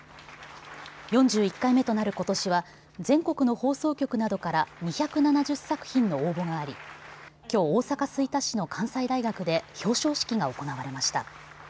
４１回目となることしは全国の放送局などから２７０作品の応募がありきょう大阪・吹田市の関西大学で表彰式が行われました。